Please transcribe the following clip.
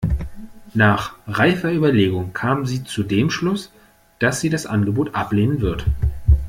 Nach reifer Überlegung kam sie zu dem Schluss, dass sie das Angebot ablehnen wird.